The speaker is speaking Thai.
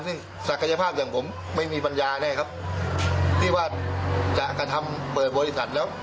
ซึ่งศักยภาพอย่างผมไม่มีปัญญาแน่ครับที่ว่าจะกระทำเปิดบริษัทแล้ว